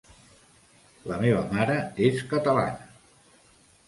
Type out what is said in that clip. La meva mare és catalana.